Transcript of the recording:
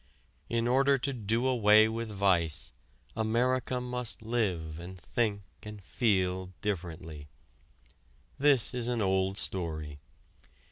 In order to do away with vice America must live and think and feel differently. This is an old story.